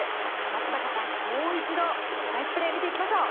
松坂さん、もう一度ナイスプレーを見ていきましょう。